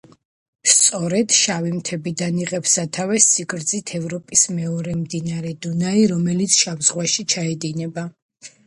სწორედ შავი მთებიდან იღებს სათავეს სიგრძით ევროპის მეორე მდინარე დუნაი, რომელიც შავ ზღვაში ჩაედინება.